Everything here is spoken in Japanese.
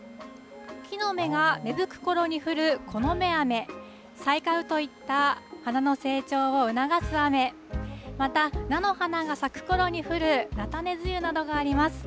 木の芽が芽吹くころに降る木の芽雨、催花雨といった花の成長を促す雨、また、菜の花が咲くころに降る菜種梅雨などがあります。